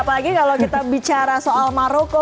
apalagi kalau kita bicara soal maroko